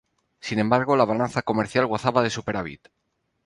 Sin embargo, la balanza comercial gozaba de superávit.